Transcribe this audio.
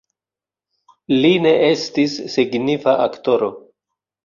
Li ne estis signifa aktoro.